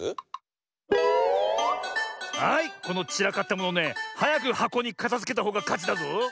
はいこのちらかったものねはやくはこにかたづけたほうがかちだぞ。